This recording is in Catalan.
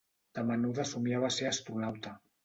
De menuda somiava a ser astronauta.